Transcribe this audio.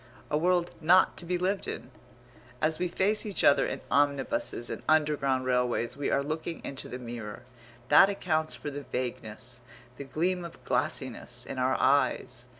A world not to be lived in. As we face each other in omnibuses and underground railways we are looking into the mirror; that accounts for the vagueness, the gleam of glassiness, in our eyes.